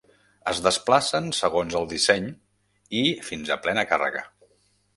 Es desplacen segons el disseny i fins a plena càrrega.